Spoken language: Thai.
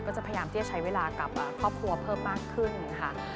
จะพยายามที่จะใช้เวลากับครอบครัวเพิ่มมากขึ้นค่ะ